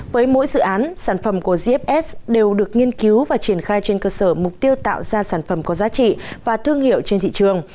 với mỗi dự án sản phẩm của gfs đều được nghiên cứu và triển khai trên cơ sở mục tiêu tạo ra sản phẩm có giá trị và thương hiệu trên thị trường